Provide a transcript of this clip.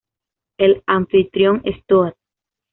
El anfitrión es Toad.